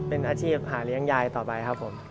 เป็นอาชีพหาเลี้ยงยายต่อไปครับผม